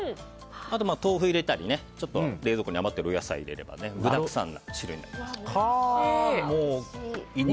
あとは豆腐を入れたり冷蔵庫に余っているお野菜を入れれば具だくさんな汁になります。